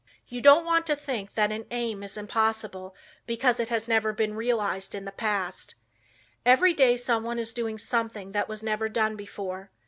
You don't want to think that an aim is impossible because it has never been realized in the past. Every day someone is doing something that was never done before.